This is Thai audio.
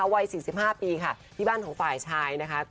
วัย๔๕ปีที่บ้านของฝ่ายชาย